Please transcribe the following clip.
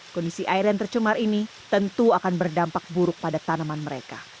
kondisi air yang tercemar ini tentu akan berdampak buruk pada tanaman mereka